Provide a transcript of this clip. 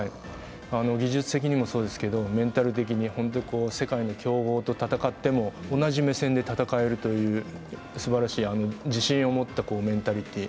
技術的にもそうですけど、メンタル的に、世界の強豪と戦っても同じ目線で戦えるというすばらしい、自信を持ったメンタリティー。